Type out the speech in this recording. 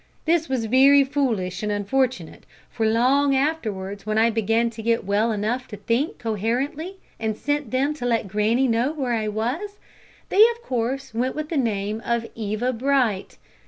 This was very foolish and unfortunate, for long afterwards, when I began to get well enough to think coherently, and sent them to let granny know where I was, they of course went with the name of Eva Bright.